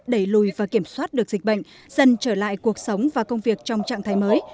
đẩy lùi và kiểm soát được dịch bệnh dần trở lại cuộc sống và công việc trong trạng thái mới